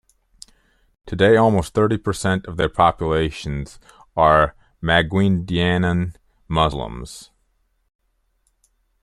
Today almost thirty per cent of the population are Maguindanaon Muslims.